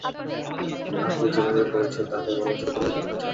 আপনি যেভাবে বলছেন তাতে মনে হচ্ছে পরীক্ষাগুলি ইতিমধ্যে করা হয়েছে।